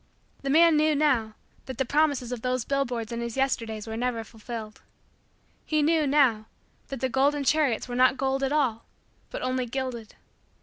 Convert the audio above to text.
The man knew, now, that the promises of those billboards in his Yesterdays were never fulfilled. He knew, now, that the golden chariots were not gold at all but only gilded.